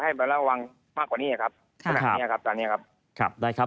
ไประวังมากกว่านี้ครับขนาดเนี้ยครับตอนเนี้ยครับครับได้ครับ